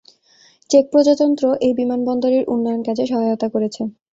Check প্রজাতন্ত্র এই বিমানবন্দরের উন্নয়ন কাজে সহায়তা করেছে।